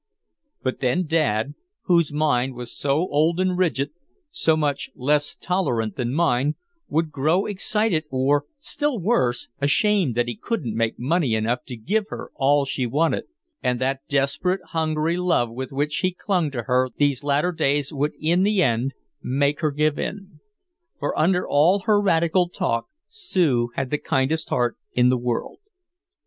But then Dad, whose mind was so old and rigid, so much less tolerant than mine, would grow excited or, still worse, ashamed that he couldn't make money enough to give her all she wanted. And that desperate hungry love with which he clung to her these latter days would in the end make her give in. For under all her radical talk Sue had the kindest heart in the world.